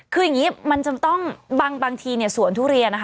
คืออย่างนี้มันจะต้องบางทีสวนทุเรียนนะคะ